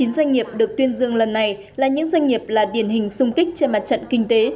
chín mươi doanh nghiệp được tuyên dương lần này là những doanh nghiệp là điển hình sung kích trên mặt trận kinh tế